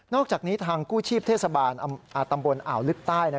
อกจากนี้ทางกู้ชีพเทศบาลตำบลอ่าวลึกใต้